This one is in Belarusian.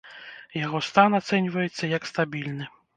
Яго стан ацэньваецца яе стабільны.